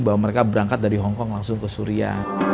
bahwa mereka berangkat dari hongkong langsung ke suria